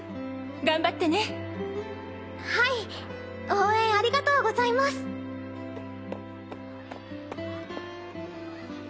頑張ってねはい応援ありがとうございます・おい！